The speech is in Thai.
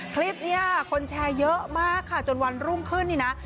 คลิปนี้คนแชร์เยอะมากค่ะจนวันรุ่งขึ้นนี่นะ